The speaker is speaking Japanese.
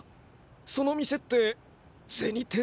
その店って銭天堂？